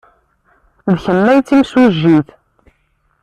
D kemm ay d timsujjit.